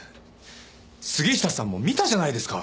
杉下さんも見たじゃないですか。